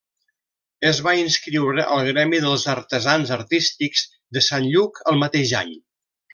Es va inscriure al gremi dels artesans artístics de Sant Lluc el mateix any.